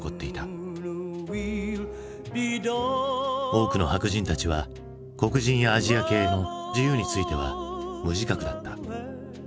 多くの白人たちは黒人やアジア系の自由については無自覚だった。